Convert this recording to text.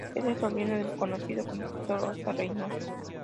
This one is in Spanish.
Es el sobrino del conocido compositor Óscar Reynoso.